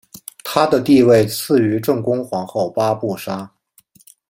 她的地位次于正宫皇后八不沙。